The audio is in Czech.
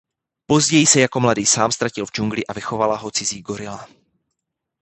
Později se jako mladý sám ztratil v džungli a vychovala ho cizí gorila.